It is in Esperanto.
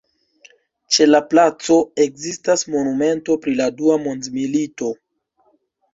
Ĉe la placo ekzistas monumento pri la Dua Mondmilito.